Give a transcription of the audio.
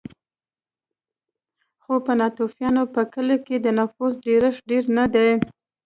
خو په ناتوفیانو په کلیو کې د نفوسو ډېرښت ډېر نه دی